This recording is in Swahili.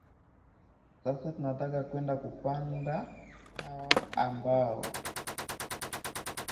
sasa tunataka kwenda mpanda kwa hawa ambao